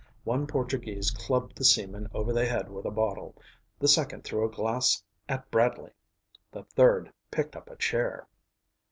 One Portuguese clubbed the seaman over the head with a bottle. The second threw a glass at Bradley. The third picked up a chair.